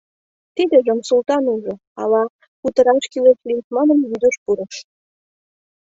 Тидыжым Султан ужо, ала утараш кӱлеш лиеш манын, вӱдыш пурыш.